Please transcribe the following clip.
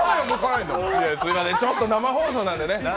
ちょっと生放送なんでね。